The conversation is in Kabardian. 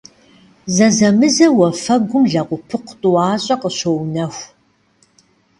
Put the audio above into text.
Зэзэмызэ уафэгум лэгъупыкъу тӏуащӏэ къыщоунэху.